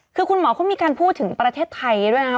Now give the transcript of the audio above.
คือคุณหมอเขามีการพูดถึงประเทศไทยด้วยนะคะ